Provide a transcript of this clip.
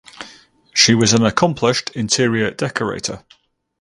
She was an accomplished interior decorator.